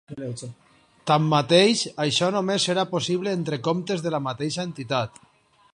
Tanmateix, això només serà possible entre comptes de la mateixa entitat.